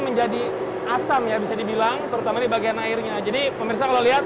menjadi asam ya bisa dibilang terutama di bagian airnya jadi pemirsa kalau lihat